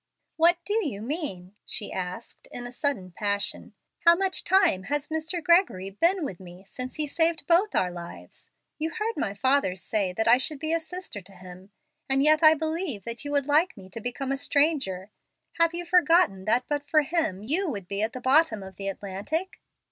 "What do you mean?" she asked, in a sudden passion. "How much time has Mr. Gregory been with me since he saved both our lives? You heard my father say that I should be a sister to him; and yet I believe that you would like me to become a stranger. Have you forgotten that but for him you would have been at the bottom of the Atlantic?